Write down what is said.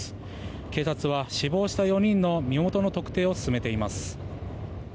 警察は死亡した４人の身元の特定を進めています。